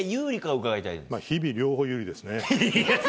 日々、両方有利ですね。